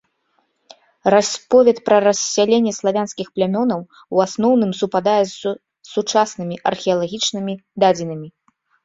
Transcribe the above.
Расповед пра рассяленне славянскіх плямёнаў у асноўным супадае з сучаснымі археалагічнымі дадзенымі.